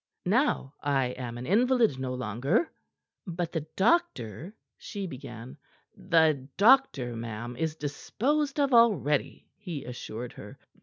Now I am an invalid no longer." "But the doctor " she began. "The doctor, ma'am, is disposed of already," he assured her.